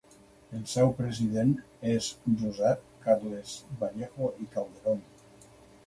El seu president és Josep Carles Vallejo i Calderón.